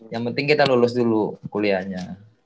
yang penting kita lulus dulu kuliahnya